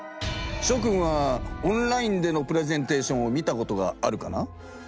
しょくんはオンラインでのプレゼンテーションを見たことがあるかな？